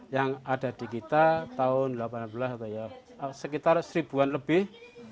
yang ada di kita tahun dua ribu delapan belas atau ya sekitar seribu an lebih